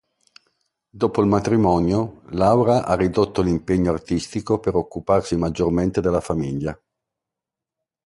Dopo il matrimonio, Laura ha ridotto l'impegno artistico per occuparsi maggiormente della famiglia.